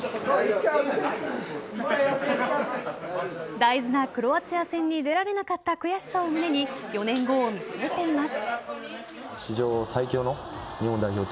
大事なクロアチア戦に出られなかった悔しさを胸に４年後を見据えています。